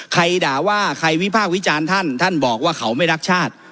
ด่าว่าใครวิพากษ์วิจารณ์ท่านท่านบอกว่าเขาไม่รักชาติ